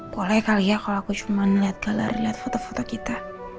boleh kali ya kalo aku cuman liat galeri liat foto foto kita